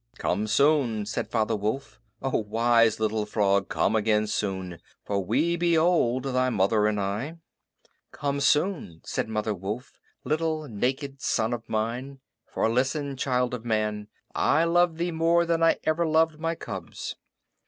"Come soon!" said Father Wolf. "Oh, wise little frog, come again soon; for we be old, thy mother and I." "Come soon," said Mother Wolf, "little naked son of mine. For, listen, child of man, I loved thee more than ever I loved my cubs."